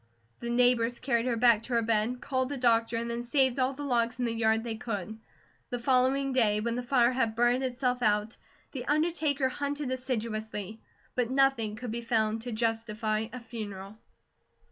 The neighbours carried her back to her bed, called the doctor, and then saved all the logs in the yard they could. The following day, when the fire had burned itself out, the undertaker hunted assiduously, but nothing could be found to justify a funeral.